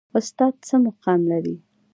استاد څه مقام لري؟